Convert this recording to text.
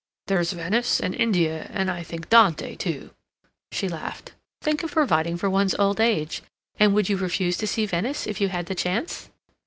"There's Venice and India and, I think, Dante, too." She laughed. "Think of providing for one's old age! And would you refuse to see Venice if you had the chance?"